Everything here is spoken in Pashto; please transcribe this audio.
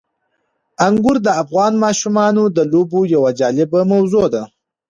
انګور د افغان ماشومانو د لوبو یوه جالبه موضوع ده.